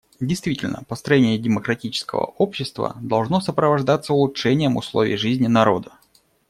Действительно, построение демократического общества должно сопровождаться улучшением условий жизни народа.